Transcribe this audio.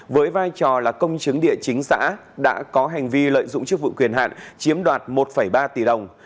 với vai trò là công chứng địa chính xã đã có hành vi lợi dụng chức vụ quyền hạn chiếm đoạt một ba tỷ đồng